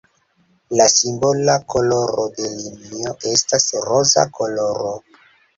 La simbola koloro de linio estas roza koloro.